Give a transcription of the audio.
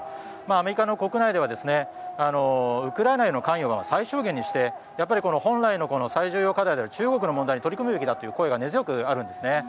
アメリカの国内ではウクライナへの関与は最小限にして本来の最重要課題である中国の問題に取り込むべきだという声が根強くあるんですね。